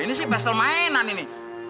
ini sih basel mainan ini